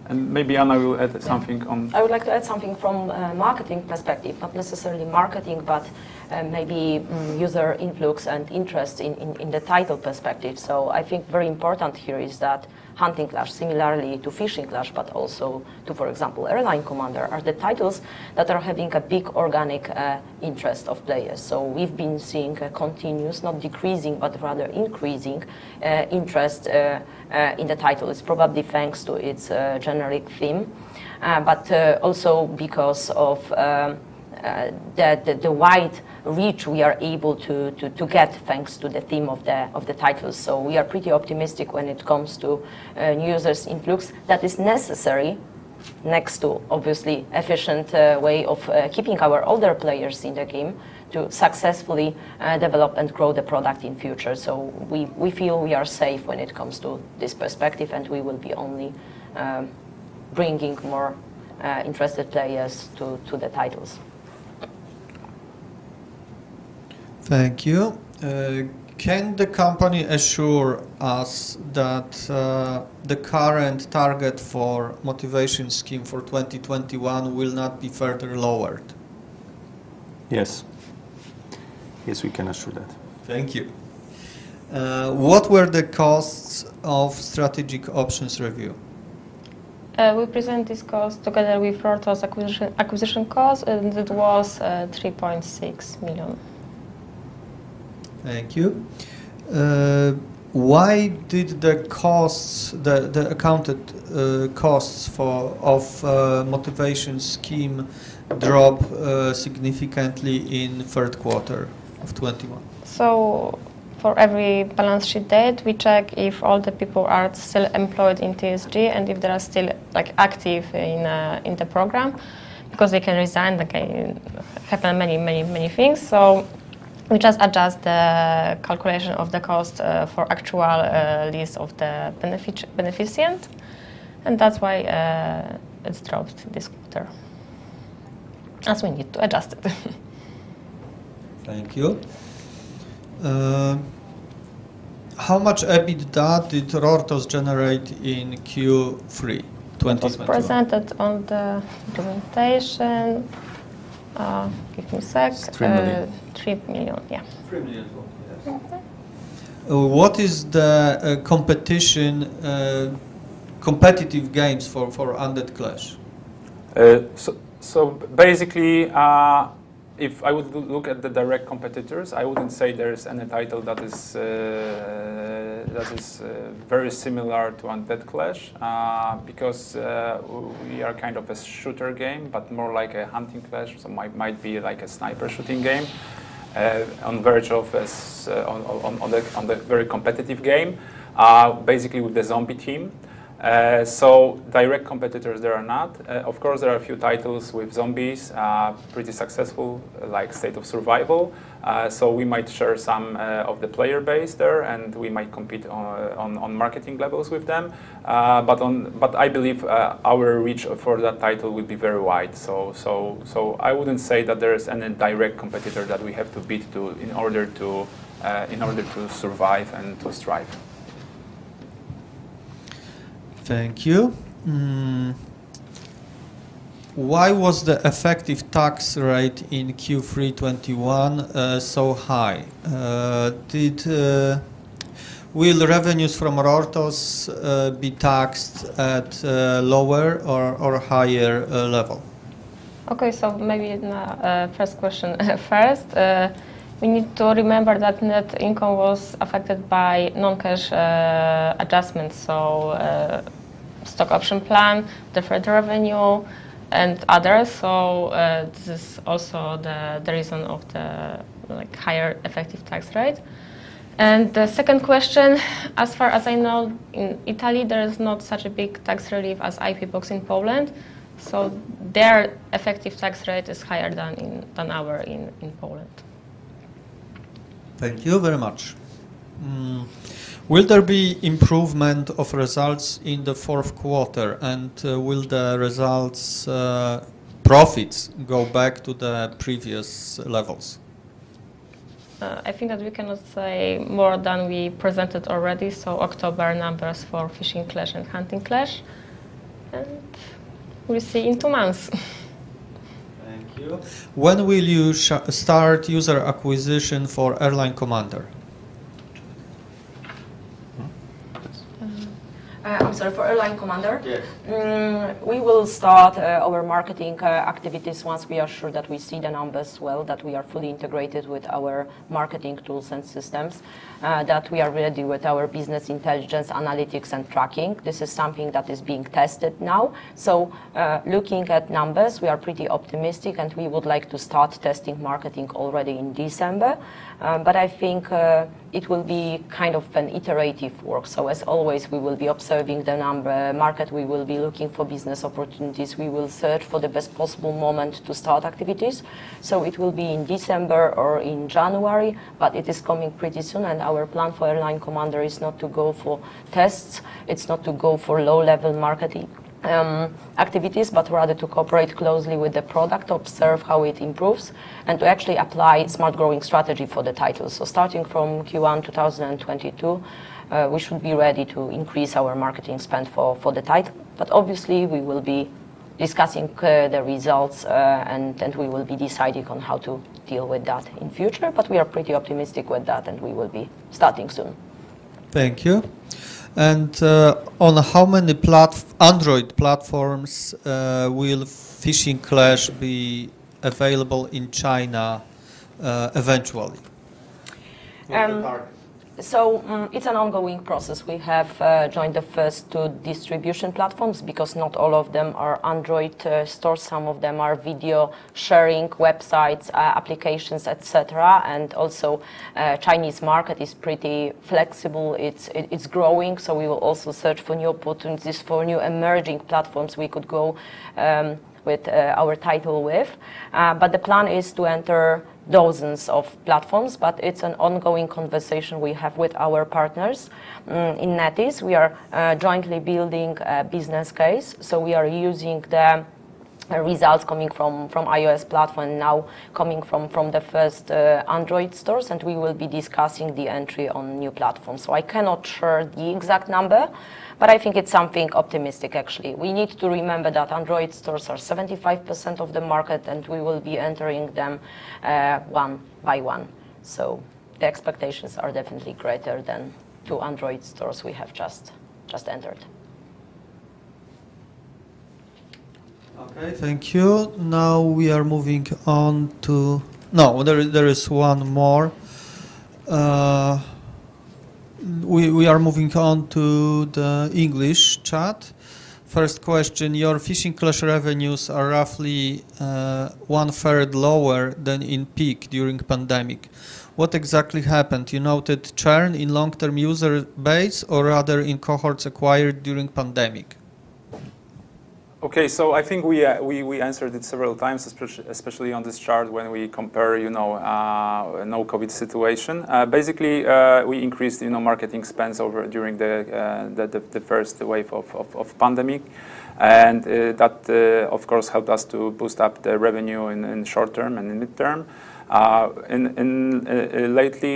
Maybe Anna will add something on. I would like to add something from marketing perspective. Not necessarily marketing, but maybe user influx and interest in the title perspective. I think very important here is that Hunting Clash, similarly to Fishing Clash, but also to, for example, Airline Commander, are the titles that are having a big organic interest of players. We've been seeing a continuous, not decreasing, but rather increasing interest in the title. It's probably thanks to its generic theme, but also because of the wide reach we are able to get, thanks to the theme of the titles. We are pretty optimistic when it comes to users' influx that is necessary next to, obviously, efficient way of keeping our older players in the game to successfully develop and grow the product in future. We feel we are safe when it comes to this perspective, and we will be only bringing more interested players to the titles. Thank you. Can the company assure us that the current target for motivation scheme for 2021 will not be further lowered? Yes. Yes, we can assure that. Thank you. What were the costs of strategic options review? We present this cost together with Rortos acquisition cost, and it was 3.6 million. Thank you. Why did the accounted costs for the motivation scheme drop significantly in the third quarter of 2021? For every balance sheet date, we check if all the people are still employed in TSG and if they are still, like, active in the program, because they can resign. Many things can happen. We just adjust the calculation of the cost for actual list of the beneficiaries, and that's why it's dropped this quarter, as we need to adjust it. Thank you. How much EBITDA did Rortos generate in Q3 2022? It's presented on the presentation. Give me a sec. It's 3 million. 3 million. Yeah. 3 million, yes. Mm-hmm. What is the competitive gains for Undead Clash? Basically If I would look at the direct competitors, I wouldn't say there's any title that is very similar to Undead Clash, because we are kind of a shooter game, but more like a Hunting Clash. Might be like a sniper shooting game on the verge of a very competitive game basically with the zombie theme. Direct competitors there are not. Of course, there are a few titles with zombies pretty successful, like State of Survival. We might share some of the player base there, and we might compete on marketing levels with them. I believe our reach for that title will be very wide. I wouldn't say that there is any direct competitor that we have to beat to in order to survive and to strive. Thank you. Why was the effective tax rate in Q3 2021 so high? Will revenues from Rortos be taxed at lower or higher level? Okay. Maybe first question first. We need to remember that net income was affected by non-cash adjustments. Stock option plan, deferred revenue and others. This is also the reason of the, like, higher effective tax rate. The second question, as far as I know, in Italy, there is not such a big tax relief as IP Box in Poland, so their effective tax rate is higher than ours in Poland. Thank you very much. Will there be improvement of results in the fourth quarter? Will the results, profits go back to the previous levels? I think that we cannot say more than we presented already, so October numbers for Fishing Clash and Hunting Clash, and we'll see in two months. Thank you. When will you start user acquisition for Airline Commander? Hmm? Mm-hmm. I'm sorry. For Airline Commander? Yes. We will start our marketing activities once we are sure that we see the numbers well, that we are fully integrated with our marketing tools and systems, that we are ready with our business intelligence, analytics and tracking. This is something that is being tested now. Looking at numbers, we are pretty optimistic, and we would like to start testing marketing already in December. I think it will be kind of an iterative work. As always, we will be observing the market. We will be looking for business opportunities. We will search for the best possible moment to start activities, so it will be in December or in January. It is coming pretty soon, and our plan for Airline Commander is not to go for tests. It's not to go for low-level marketing activities, but rather to cooperate closely with the product, observe how it improves, and to actually apply smart growing strategy for the title. Starting from Q1 2022, we should be ready to increase our marketing spend for the title. Obviously, we will be discussing the results, and we will be deciding on how to deal with that in future. We are pretty optimistic with that, and we will be starting soon. Thank you. On how many Android platforms will Fishing Clash be available in China eventually? What are the targets? It's an ongoing process. We have joined the first two distribution platforms because not all of them are Android stores. Some of them are video sharing websites, applications, et cetera. Chinese market is pretty flexible. It's growing, so we will also search for new opportunities for new emerging platforms we could go with our title. The plan is to enter dozens of platforms, but it's an ongoing conversation we have with our partners. In that, we are jointly building a business case. We are using the results coming from iOS platform, now coming from the first Android stores, and we will be discussing the entry on new platforms. I cannot share the exact number, but I think it's something optimistic actually. We need to remember that Android stores are 75% of the market, and we will be entering them one by one. The expectations are definitely greater than two Android stores we have just entered. Okay, thank you. Now we are moving on. No, there is one more. We are moving on to the English chat. First question, your Fishing Clash revenues are roughly 1/3 lower than in peak during pandemic. What exactly happened? You noted churn in long-term user base or rather in cohorts acquired during pandemic? Okay. I think we answered it several times, especially on this chart when we compare, you know, no COVID situation. Basically, we increased, you know, marketing spends over during the first wave of pandemic. That of course helped us to boost up the revenue in short-term and in mid-term. Lately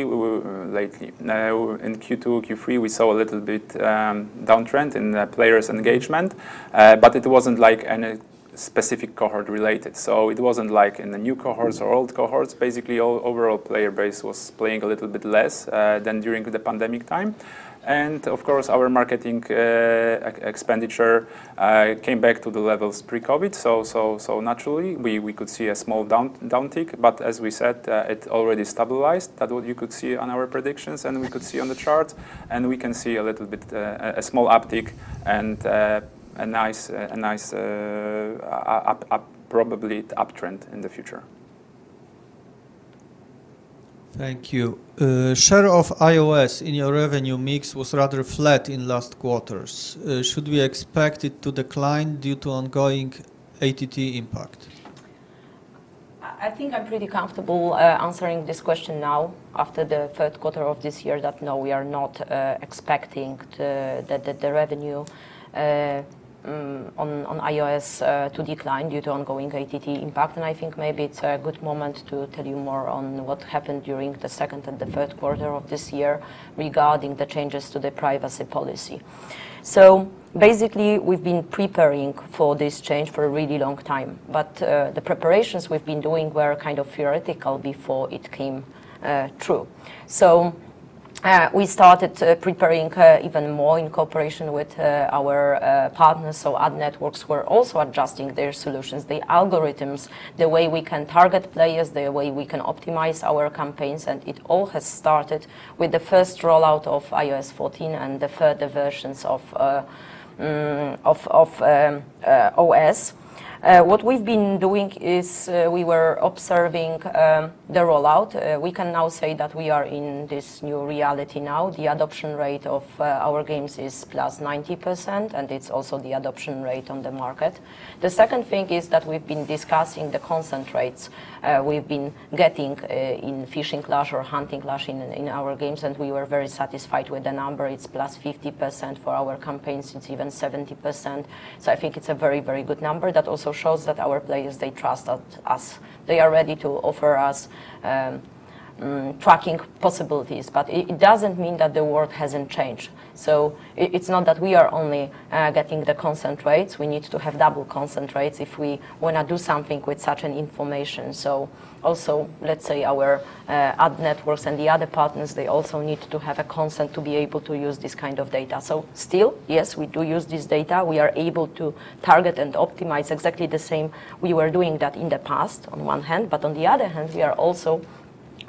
now in Q2, Q3, we saw a little bit downtrend in the players' engagement. It wasn't like any Specific cohort related. It wasn't like in the new cohorts or old cohorts. Basically, all overall player base was playing a little bit less than during the pandemic time. Of course, our marketing expenditure came back to the levels pre-COVID. Naturally, we could see a small downtick, but as we said, it already stabilized. That's what you could see on our predictions and we could see on the chart, and we can see a little bit a small uptick and a nice up, probably uptrend in the future. Thank you. Share of iOS in your revenue mix was rather flat in last quarters. Should we expect it to decline due to ongoing ATT impact? I think I'm pretty comfortable answering this question now after the third quarter of this year that, no, we are not expecting the revenue on iOS to decline due to ongoing ATT impact. I think maybe it's a good moment to tell you more on what happened during the second and the third quarter of this year regarding the changes to the privacy policy. Basically, we've been preparing for this change for a really long time, but the preparations we've been doing were kind of theoretical before it came true. We started preparing even more in cooperation with our partners. Ad networks were also adjusting their solutions, the algorithms, the way we can target players, the way we can optimize our campaigns, and it all has started with the first rollout of iOS 14 and the further versions of iOS. What we've been doing is we were observing the rollout. We can now say that we are in this new reality now. The adoption rate of our games is +90%, and it's also the adoption rate on the market. The second thing is that we've been discussing the consent rates we've been getting in Fishing Clash or Hunting Clash in our games, and we were very satisfied with the number. It's +50%. For our campaigns, it's even 70%. I think it's a very, very good number that also shows that our players, they trust us. They are ready to offer us tracking possibilities. It doesn't mean that the world hasn't changed. It's not that we are only getting the consent rates. We need to have double consent rates if we wanna do something with such an information. Also, let's say our ad networks and the other partners, they also need to have a consent to be able to use this kind of data. Still, yes, we do use this data. We are able to target and optimize exactly the same. We were doing that in the past on one hand, but on the other hand, we are also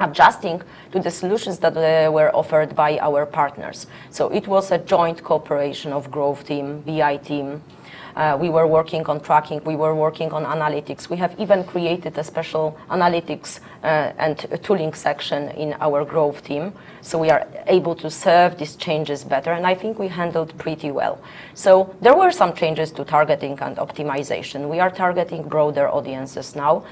adjusting to the solutions that were offered by our partners. It was a joint cooperation of growth team, BI team. We were working on tracking. We were working on analytics. We have even created a special analytics, and tooling section in our growth team, so we are able to serve these changes better, and I think we handled pretty well. There were some changes to targeting and optimization. We are targeting broader audiences now.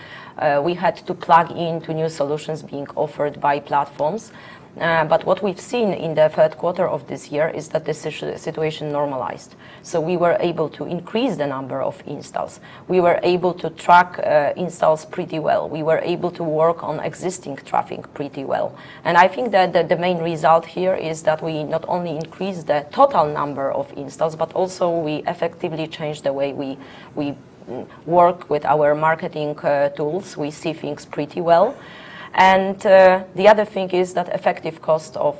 We had to plug into new solutions being offered by platforms. But what we've seen in the third quarter of this year is that the situation normalized. We were able to increase the number of installs. We were able to track installs pretty well. We were able to work on existing traffic pretty well. I think that the main result here is that we not only increased the total number of installs, but also we effectively changed the way we work with our marketing tools. We see things pretty well. The other thing is that effective cost of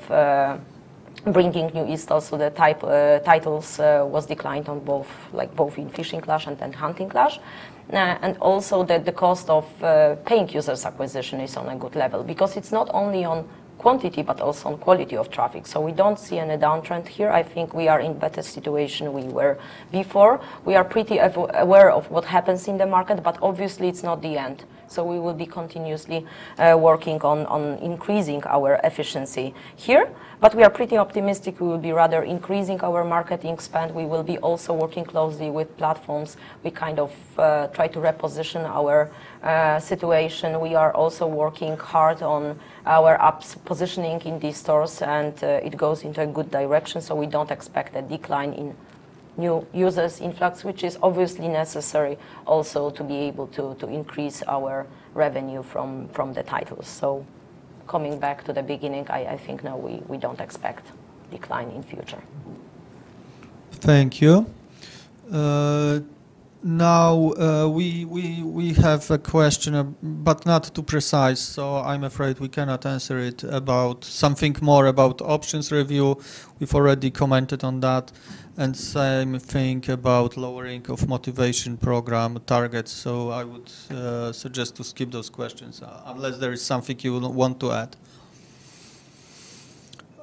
bringing new installs to the titles was declined on both, like, both in Fishing Clash and in Hunting Clash. Also that the cost of paying users acquisition is on a good level because it's not only on quantity, but also on quality of traffic. We don't see any downturn here. I think we are in better situation we were before. We are pretty aware of what happens in the market, but obviously it's not the end. We will be continuously working on increasing our efficiency here. We are pretty optimistic we will be rather increasing our marketing spend. We will be also working closely with platforms. We kind of try to reposition our situation. We are also working hard on our apps positioning in these stores, and it goes into a good direction, so we don't expect a decline in new users influx, which is obviously necessary also to be able to increase our revenue from the titles. Coming back to the beginning, I think now we don't expect decline in future. Thank you. We have a question, but not too precise, so I'm afraid we cannot answer it about something more about options review. We've already commented on that. Same thing about lowering of motivation program targets. I would suggest to skip those questions unless there is something you want to add.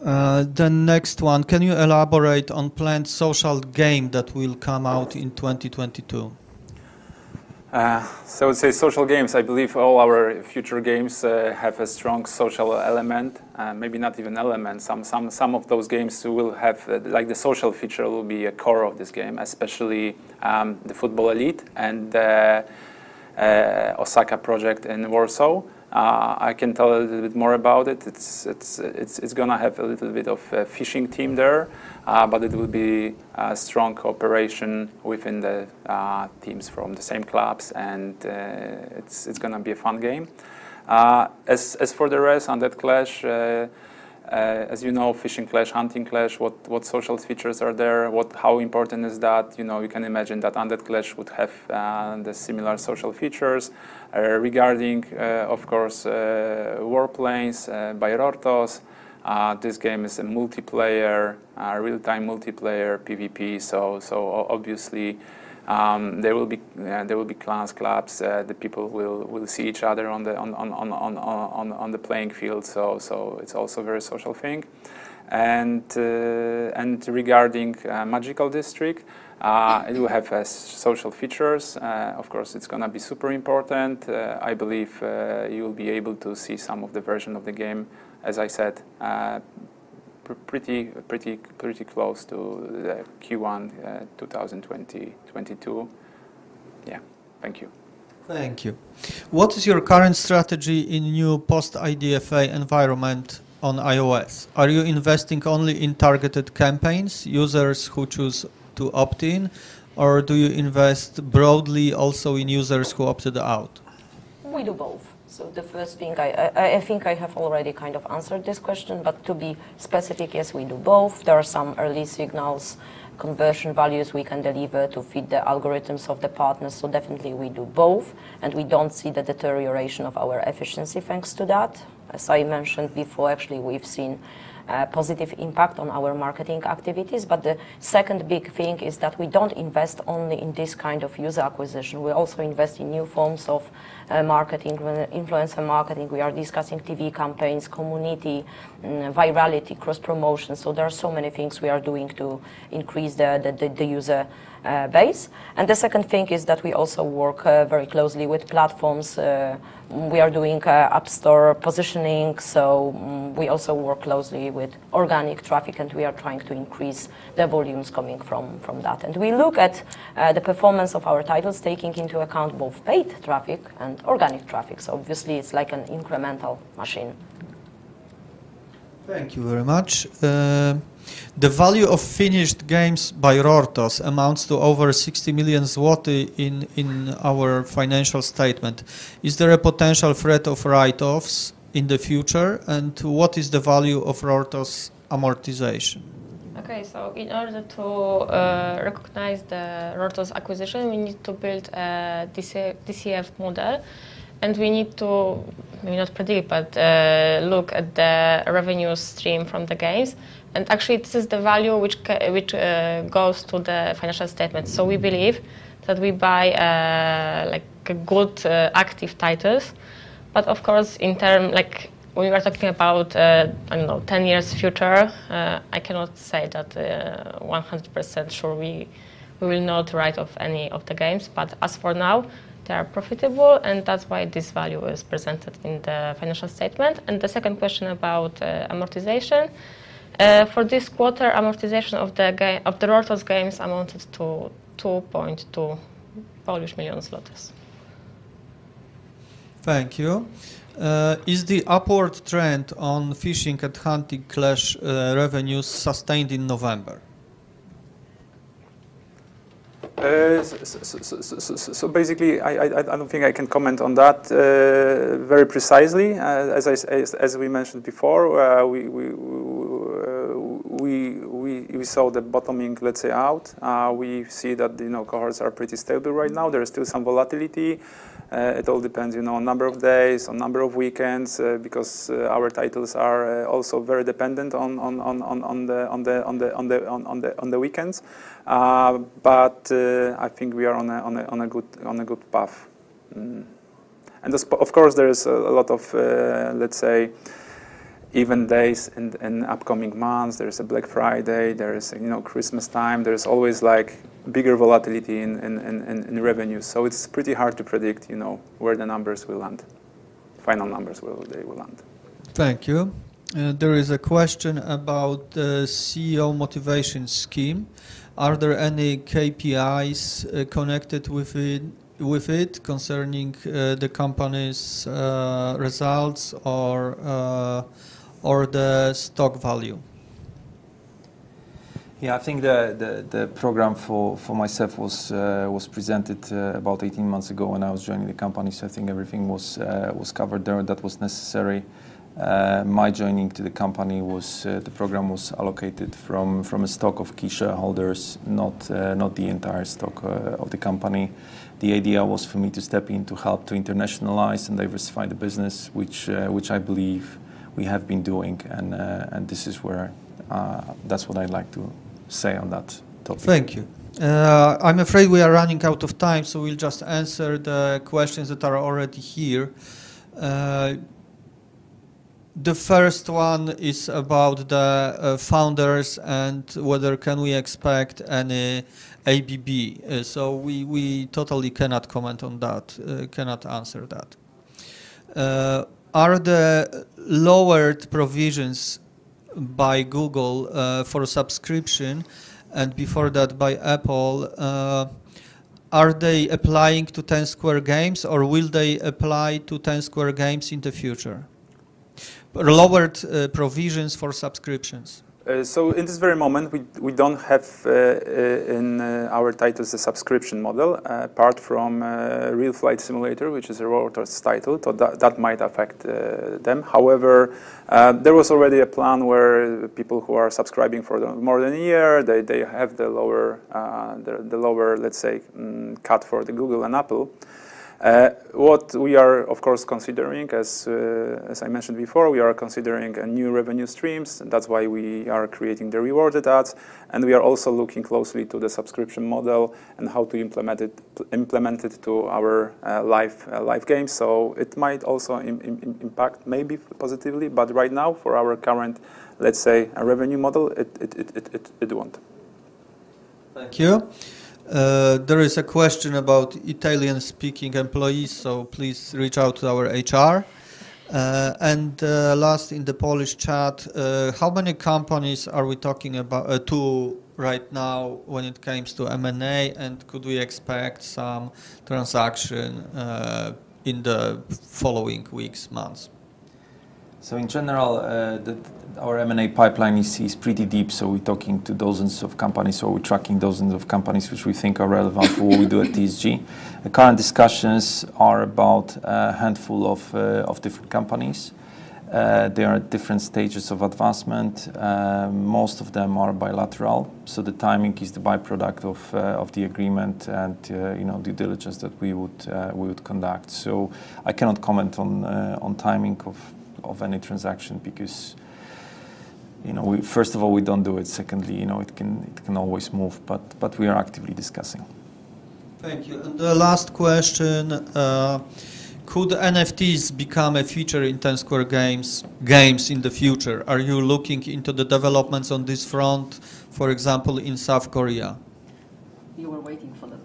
The next one, can you elaborate on planned social game that will come out in 2022? Social games, I believe all our future games have a strong social element, maybe not even element. Some of those games will have like the social feature will be a core of this game, especially the Football Elite and Project Osaka and Warsaw. I can tell a little bit more about it. It's gonna have a little bit of a fishing team there, but it will be a strong cooperation within the teams from the same clubs and it's gonna be a fun game. As for the rest, Undead Clash, as you know, Fishing Clash, Hunting Clash, what social features are there? What? How important is that? You know, you can imagine that Undead Clash would have the similar social features. Regarding, of course, Warplanes by Rortos, this game is a multiplayer, real-time multiplayer PVP. Obviously, there will be clans, clubs, the people will see each other on the playing field. It's also a very social thing. Regarding Magical District, you have social features. Of course, it's gonna be super important. I believe you'll be able to see some of the version of the game, as I said, pretty close to the Q1 2022. Yeah. Thank you. Thank you. What is your current strategy in new post-IDFA environment on iOS? Are you investing only in targeted campaigns, users who choose to opt in? Or do you invest broadly also in users who opted out? We do both. The first thing I think I have already kind of answered this question, but to be specific, yes, we do both. There are some early signals, conversion values we can deliver to feed the algorithms of the partners. Definitely we do both, and we don't see the deterioration of our efficiency thanks to that. As I mentioned before, actually, we've seen positive impact on our marketing activities. The second big thing is that we don't invest only in this kind of user acquisition. We also invest in new forms of marketing, with influencer marketing. We are discussing TV campaigns, community, virality, cross-promotion. There are so many things we are doing to increase the user base. The second thing is that we also work very closely with platforms. We are doing app store positioning, so we also work closely with organic traffic, and we are trying to increase the volumes coming from that. We look at the performance of our titles taking into account both paid traffic and organic traffic. Obviously it's like an incremental machine. Thank you very much. The value of finished games by Rortos amounts to over 60 million zloty in our financial statement. Is there a potential threat of write-offs in the future? What is the value of Rortos amortization? Okay. In order to recognize the Rortos acquisition, we need to build a DCF model, and we need to maybe not predict, but look at the revenue stream from the games. Actually, this is the value which goes to the financial statement. We believe that we buy like good active titles. But of course, in terms like we were talking about, I don't know, 10 years future, I cannot say that 100% sure we will not write off any of the games. But as for now, they are profitable, and that's why this value is presented in the financial statement. The second question about amortization. For this quarter, amortization of the Rortos games amounted to 2.2 million zlotys. Thank you. Is the upward trend on Fishing Clash and Hunting Clash revenues sustained in November? Basically, I don't think I can comment on that very precisely. As we mentioned before, we saw the bottoming, let's say, out. We see that, you know, cohorts are pretty stable right now. There is still some volatility. It all depends, you know, on number of days, on number of weekends, because our titles are also very dependent on the weekends. I think we are on a good path. Mm-hmm. Of course, there is a lot of, let's say, even days in upcoming months. There is a Black Friday. There is, you know, Christmas time. There's always, like, bigger volatility in revenue. It's pretty hard to predict, you know, where the numbers will land. They will land. Thank you. There is a question about the CEO motivation scheme. Are there any KPIs connected with it concerning the company's results or the stock value? Yeah, I think the program for myself was presented about 18 months ago when I was joining the company. I think everything was covered there that was necessary. My joining to the company was the program was allocated from a stock of key shareholders, not the entire stock of the company. The idea was for me to step in to help to internationalize and diversify the business, which I believe we have been doing. This is where that's what I'd like to say on that topic. Thank you. I'm afraid we are running out of time, so we'll just answer the questions that are already here. The first one is about the founders and whether can we expect any ABB. So we totally cannot comment on that, cannot answer that. Are the lowered provisions by Google for subscription and before that by Apple are they applying to Ten Square Games or will they apply to Ten Square Games in the future? Lowered provisions for subscriptions. In this very moment, we don't have in our titles a subscription model apart from Real Flight Simulator, which is a Rortos title, so that might affect them. However, there was already a plan where people who are subscribing for more than a year, they have the lower, let's say, cut for Google and Apple. What we are of course considering as I mentioned before, we are considering new revenue streams. That's why we are creating the rewarded ads, and we are also looking closely to the subscription model and how to implement it to our live games. It might also impact maybe positively, but right now for our current, let's say, revenue model, it won't. Thank you. There is a question about Italian-speaking employees, so please reach out to our HR. Last in the Polish chat, how many companies are we talking about right now when it comes to M&A, and could we expect some transaction in the following weeks, months? In general, our M&A pipeline is pretty deep. We're talking to dozens of companies, or we're tracking dozens of companies which we think are relevant for what we do at TSG. The current discussions are about a handful of different companies. They are at different stages of advancement. Most of them are bilateral, so the timing is the by-product of the agreement and, you know, due diligence that we would conduct. I cannot comment on timing of any transaction because, you know, first of all, we don't do it. Secondly, you know, it can always move, but we are actively discussing. Thank you. The last question, could NFTs become a feature in Ten Square Games in the future? Are you looking into the developments on this front, for example, in South Korea? You were waiting for that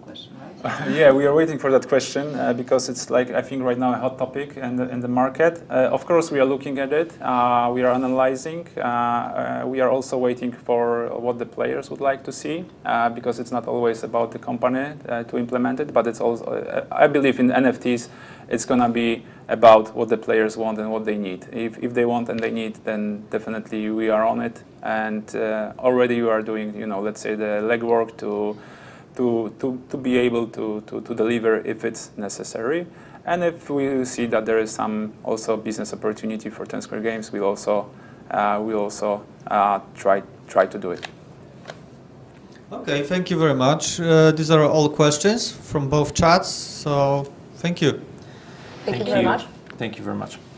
question, right? Yeah, we are waiting for that question, because it's like I think right now a hot topic in the market. Of course, we are looking at it. We are analyzing. We are also waiting for what the players would like to see, because it's not always about the company to implement it, but it's also I believe in NFTs, it's gonna be about what the players want and what they need. If they want and they need, then definitely we are on it. Already we are doing, you know, let's say, the legwork to be able to deliver if it's necessary. If we see that there is some also business opportunity for Ten Square Games, we'll also try to do it. Okay. Thank you very much. These are all questions from both chats, so thank you. Thank you very much. Thank you. Thank you very much. Thank you. Pani Ed?